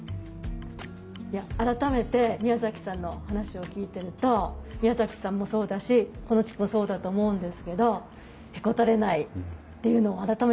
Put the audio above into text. いや改めて宮さんの話を聞いてると宮さんもそうだしこの地区もそうだと思うんですけどへこたれないっていうのを改めて思いました。